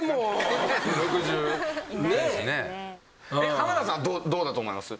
浜田さんはどうだと思います？